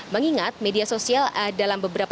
mengingat media sosial dalam beberapa